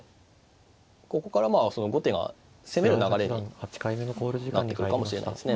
ここからまあ後手が攻める流れになってくるかもしれないですね。